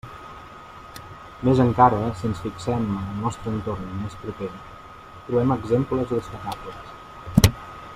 Més encara, si ens fixem en el nostre entorn més proper, trobem exemples destacables.